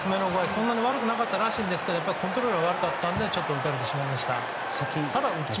そんなに悪くなかったらしいんですけどコントロールが悪かったのでちょっと打たれてしまいました。